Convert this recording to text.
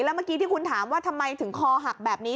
แล้วเมื่อกี้ที่คุณถามว่าทำไมถึงคอหักแบบนี้